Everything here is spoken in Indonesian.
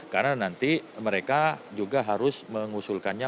karena nanti mereka juga harus mengusulkannya